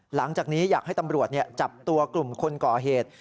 หลังจากนี้อยากให้ตำรวจจับตัวกลุ่มคนก่อเหตุ